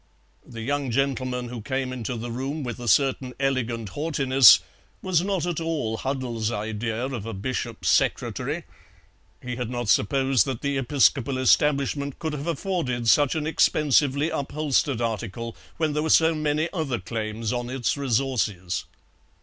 The young gentleman, who came into the room with a certain elegant haughtiness, was not at all Huddle's idea of a bishop's secretary; he had not supposed that the episcopal establishment could have afforded such an expensively upholstered article when there were so many other claims on its resources.